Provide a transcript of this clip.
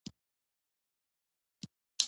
کوم وخت کابل کې له کوم سړي نه ښځه ورکه شوې وه.